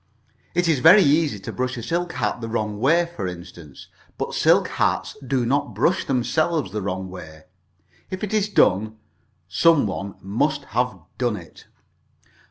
It is very easy to brush a silk hat the wrong way, for instance, but silk hats do not brush themselves the wrong way; if it is done, some one must have done it.